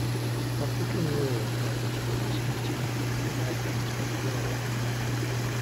Vatican lire coins were discontinued with the advent of the euro.